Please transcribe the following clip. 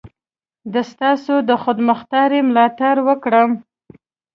د ستاسو د خودمختاري ملاتړ وکړم.